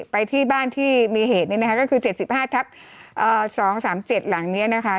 ไปที่บ้านที่มีเหตุนี้นะคะก็คือ๗๕ทับ๒๓๗หลังนี้นะคะ